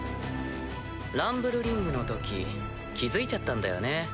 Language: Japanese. ランブルリングのとき気付いちゃったんだよね